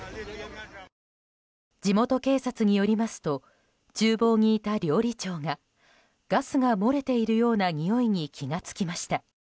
地元警察によりますと厨房にいた料理長がガスが漏れているようなにおいに気が付きました。